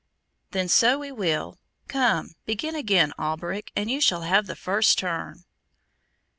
"Then so we will. Come, begin again, Alberic, and you shall have the first turn."